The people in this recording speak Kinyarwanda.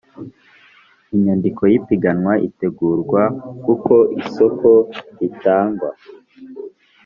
Inyandiko y ‘ipiganwa itegurwa uko isoko ritangwa.